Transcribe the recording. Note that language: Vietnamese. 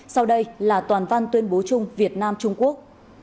sau đây là toàn văn tuyên bố chung việt nam trung quốc